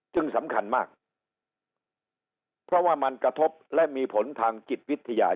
สำคัญมากเพราะว่ามันกระทบและมีผลทางจิตวิทยา